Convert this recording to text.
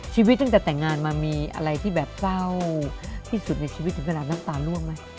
ชีวิตตั้งแต่แต่งงานมีอะไรที่แบบเศร้าที่สุดในชีวิตสิมภาษานะตาล่วงมั้ย